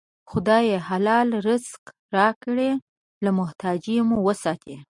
خدایه! حلال رزق راکړې، له محتاجۍ مو وساتې